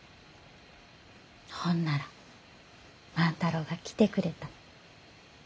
ほんなら万太郎が来てくれた。